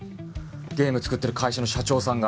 ゲーム作ってる会社の社長さんが？